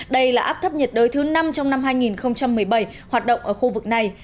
đây là áp thấp nhiệt đới thứ năm trong năm hai nghìn một mươi bảy hoạt động ở khu vực này